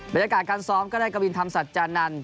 บรรยากาศการซ้อมก็ได้กระวินทำสัจจานันต์